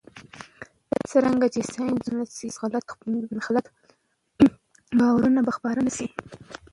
څرنګه چې ساینس ومنل شي، غلط باورونه به خپاره نه شي.